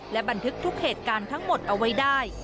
และบันทึกทุกเหตุการณ์ทั้งหมดเอาไว้ได้